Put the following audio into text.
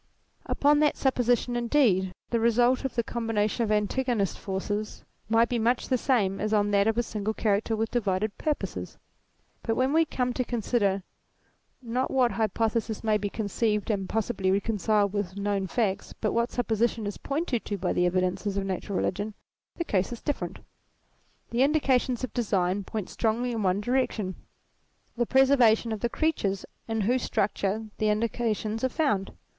Upon that supposition indeed, the result of the combination of antagonist forces misrht be much o o the same as on that of a single creator with divided purposes. But when we come to consider, not what hypothesis ATTRIBUTES 185 may be conceived, and possibly reconciled with known facts, but what supposition is pointed to by the evi dences of natural religion ; the case is different. The indications of design point strongly in one direction, the preservation of the creatures in whose structure the indications are found.